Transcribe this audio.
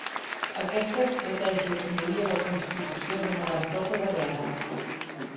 Aquesta estratègia conduí a la constitució d'una gran flota de guerra.